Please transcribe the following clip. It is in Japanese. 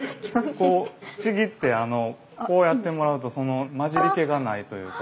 ちぎってこうやってもらうと混じりけがないというか。